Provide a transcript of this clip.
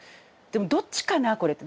でもどっちかなこれって。